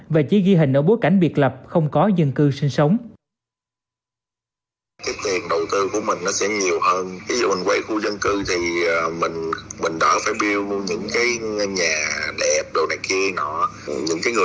và chỉ ghi hình ở bối cảnh biệt lập không có dân cư sinh sống